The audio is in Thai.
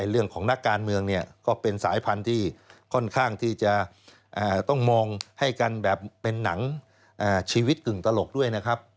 นักการเมืองเนี่ยก็เป็นสายพันธุ์ที่ค่อนข้างที่จะต้องมองให้กันแบบเป็นหนังชีวิตกึ่งตลกด้วยนะครับ